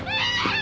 あ！